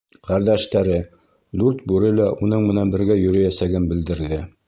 Ҡәрҙәштәре — Дүрт бүре лә уның менән бергә йөрөйәсәген белдерҙе.